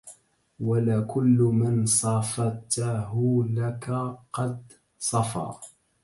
وَلا كُلُّ مَن صافَيتَهُ لَكَ قَد صَفا